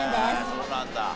そうなんだ。